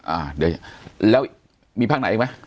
อ่าเดี๋ยวแล้วมีภาคไหนอีกไหม